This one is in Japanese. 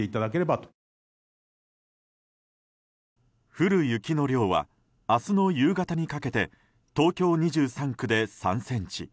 降る雪の量は明日の夕方にかけて東京２３区で３ｃｍ。